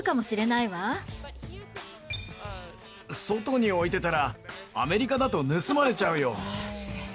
外に置いてたらアメリカだと盗まれちゃうよ。